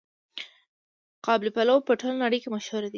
قابلي پلو په ټوله نړۍ کې مشهور دی.